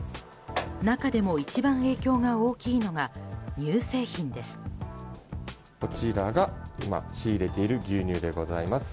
中でも一番影響が大きいのが乳製品です。